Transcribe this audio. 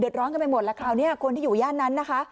ร้อนกันไปหมดแล้วคราวนี้คนที่อยู่ย่านนั้นนะคะ